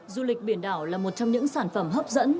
du lịch biển đảo là một trong những sản phẩm hấp dẫn